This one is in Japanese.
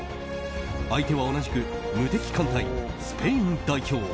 相手は同じく無敵艦隊スペイン代表。